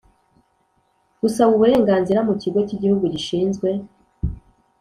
gusaba uburenganzira mu Kigo cy Igihugu Gishinzwe